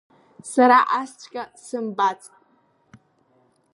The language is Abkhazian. Сара асҵәҟьа сымбацт!